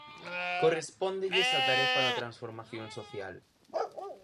Correspóndelles a tarefa da transformación social.